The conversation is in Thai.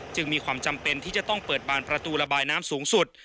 จึงมีความจำเป็นที่จะต้องเปิดบานประตูระบายน้ำสูงสุด